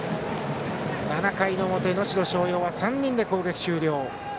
７回の表、能代松陽は３人で攻撃終了。